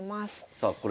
さあこれが？